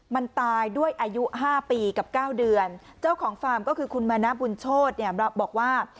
มันตายด้วยอายุ๕ปีกับ๙เดือนเจ้าของฟาร์มก็คือคุณมณะบุญโชฎบอกว่า